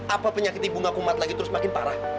apa penyakit ibu ngakumat lagi terus makin parah